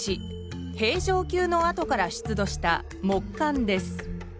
平城宮の跡から出土した木簡です。